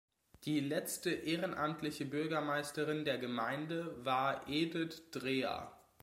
Die letzte ehrenamtliche Bürgermeisterin der Gemeinde war Edith Dreher.